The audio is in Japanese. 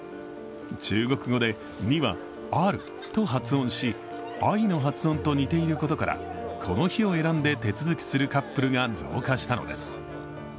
中国語で２はアルと発音し愛の発音と似ていることから、この日を選んで手続きするカップルが増加したのです。